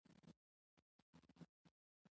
دا زموږ عزت دی؟